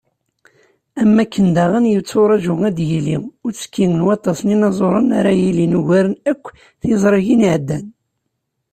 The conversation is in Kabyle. Am wakken daɣen, yetturaǧu ad d-yili uttekki n waṭas n yinaẓuren, ara yilin ugaren akk tizrigin i iɛeddan.